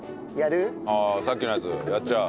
さっきのやつやっちゃう？